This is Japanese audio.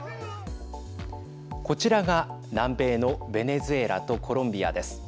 こちらが南米のベネズエラとコロンビアです。